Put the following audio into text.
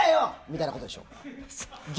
みたいなことでしょ？